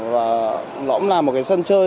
và nó cũng là một cái sân chơi